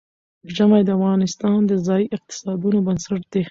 ژمی د افغانستان د ځایي اقتصادونو بنسټ دی.